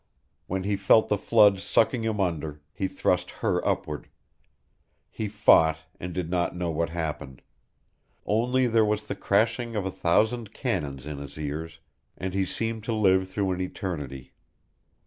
When he felt the floods sucking him under, he thrust her upward. He fought, and did not know what happened. Only there was the crashing of a thousand cannon in his ears, and he seemed to live through an eternity.